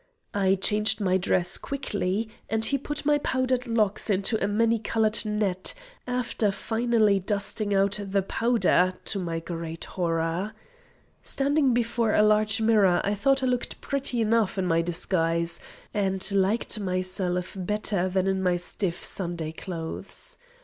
I changed my dress quickly, and he put my powdered locks into a many coloured net, after finally dusting out the powder, to my great horror. Standing before a large mirror I thought I looked prettily enough in my disguise, and liked myself better than in my stiff Sunday clothes.